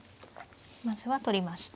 まずは取りました。